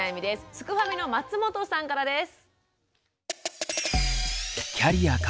すくファミの松本さんからです。